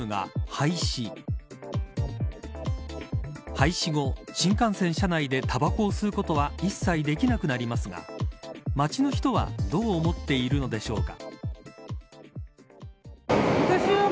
廃止後、新幹線車内でタバコを吸うことは一切できなくなりますが街の人はどう思っているのでしょうか。